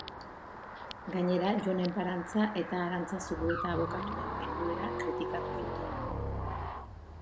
Gainera, Jon Enparantza eta Arantza Zulueta abokatuen egoera kritikatu zuten.